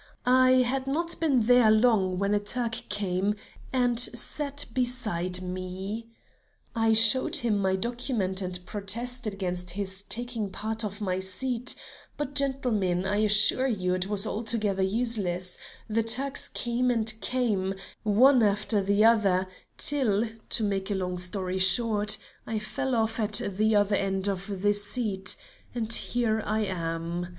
I had not been there long when a Turk came and sat beside me. I showed him my document and protested against his taking part of my seat; but, gentlemen, I assure you it was altogether useless; the Turks came and came, one after the other, till, to make a long story short, I fell off at the other end of the seat, and here I am.